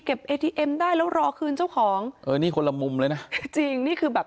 เอทีเอ็มได้แล้วรอคืนเจ้าของเออนี่คนละมุมเลยนะคือจริงนี่คือแบบ